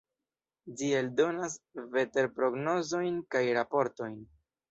Ĝi eldonas veterprognozojn kaj raportojn.